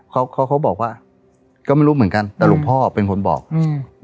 เขาเขาเขาบอกว่าก็ไม่รู้เหมือนกันแต่หลวงพ่อเป็นคนบอกอืม